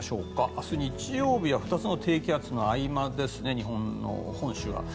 明日、日曜日は２つの低気圧の合間ですね本州は。